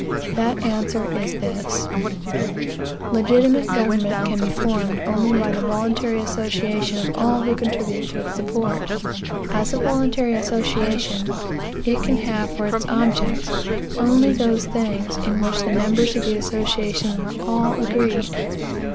That answer is this: Legitimate government can be formed only by the voluntary association of all who contribute to its support. As a voluntary association, it can have for its objects only those things in which the members of the association are all agreed.